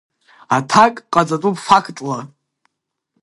Аҭак ҟаҵатәуп фактла.